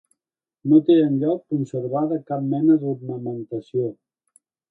No té enlloc conservada cap mena d'ornamentació.